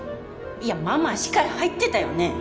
いやまあまあ視界入ってたよね？